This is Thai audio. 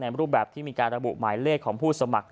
รูปแบบที่มีการระบุหมายเลขของผู้สมัคร